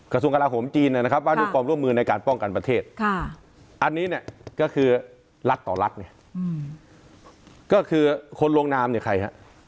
กระทรวงกราโหมจีนนะครับว่าด้วยความร่วมมือในการป้องกันประเทศอันนี้เนี่ยก็คือรัฐต่อรัฐไงก็คือคนลงนามเนี่ยใครฮะ